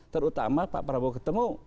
terutama pak prabowo ketemu